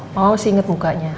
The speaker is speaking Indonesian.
mama masih inget mukanya